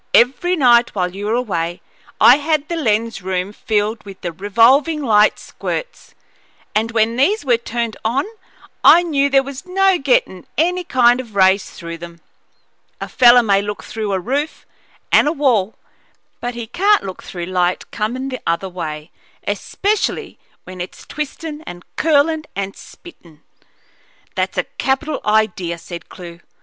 "Every night while you were away I had the lens room filled with the revolving light squirts, and when these were turned on I knew there was no gettin' any kind of rays through them. A feller may look through a roof and a wall, but he can't look through light comin' the other way, especially when it's twistin' and curlin' and spittin'." "That's a capital idea," said Clewe.